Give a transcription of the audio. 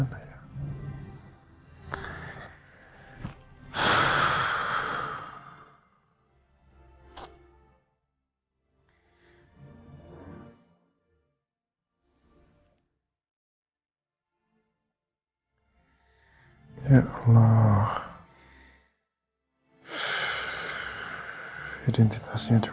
gak akan aku lepasin aku